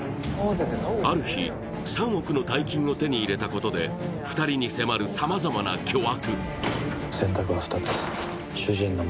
ある日、３億の大金を手に入れたことで２人に迫るさまざまな巨悪。